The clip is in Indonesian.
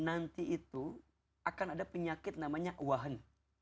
nanti itu akan ada penyakit namanya wahan